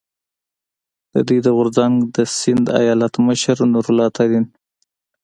د دوی د غورځنګ د سیند ایالت مشر نور الله ترین،